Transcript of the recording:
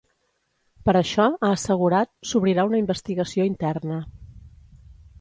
Per això, ha assegurat, s’obrirà una investigació interna.